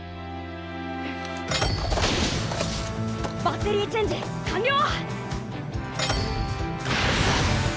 バッテリーチェンジ完了！